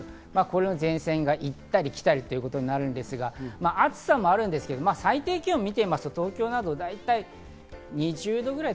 前線が行ったり来たりということになるんですが、暑さもあるんですけど最低気温を見てみますと、東京などはだいたい２０度ぐらい。